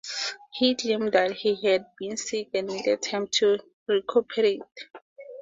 He claimed that he had been sick and needed time to recuperate.